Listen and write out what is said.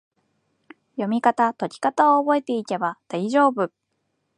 読みかた・解きかたを覚えていけば大丈夫！